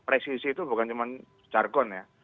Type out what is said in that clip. presisi itu bukan cuma jargon ya